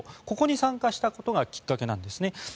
ここに参加したことがきっかけなんですね。